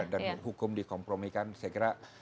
dan hukum dikompromikan saya kira